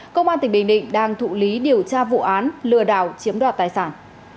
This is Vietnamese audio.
công an tỉnh bình định đang thụ lý điều tra vụ án lừa đảo chiếm đoạt tài sản